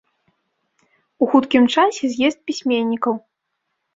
У хуткім часе з'езд пісьменнікаў.